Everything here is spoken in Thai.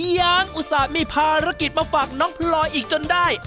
ยังอุตส่าห์มีภารกิจมาฝากน้องพลอยอีกจนได้